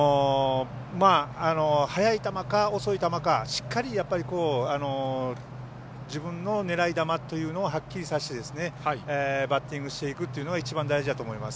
速い球か遅い球かしっかり自分の狙い球というのをはっきりさせてバッティングしていくというのが一番大事だと思います。